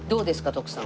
徳さん。